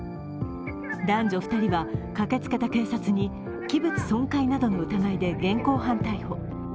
男女２人は駆けつけた警察に器物損壊などの疑いで現行犯逮捕。